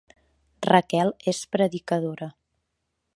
Raquel és predicadora